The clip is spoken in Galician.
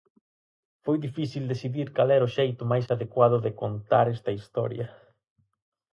Foi difícil decidir cal era o xeito máis adecuado de contar esta historia?